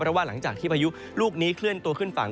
เพราะว่าหลังจากที่พายุลูกนี้เคลื่อนตัวขึ้นฝั่ง